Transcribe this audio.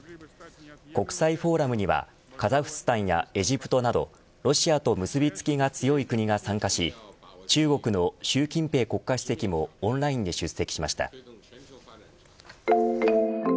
国際フォーラムにはカザフスタンやエジプトなどロシアと結び付きが強い国が参加し中国の習近平国家主席もオンラインで出席しました。